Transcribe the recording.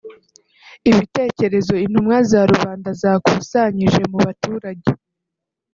Ibitekerezo intumwa za rubanda zakusanyije mu baturage